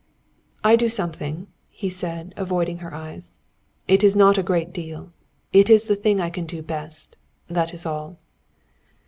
"I do something," he said, avoiding her eyes. "It is not a great deal. It is the thing I can do best. That is all."